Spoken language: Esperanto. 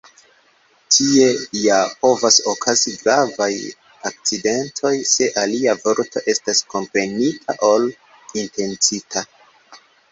Tie ja povas okazi gravaj akcidentoj, se alia vorto estas komprenita ol intencita.